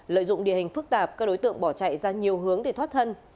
lợi dụng địa hình phức tạp các đối tượng bỏ chạy ra nhiều hướng để thoát thân